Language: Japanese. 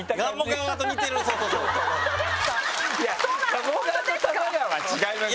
鴨川と多摩川は違いますよ。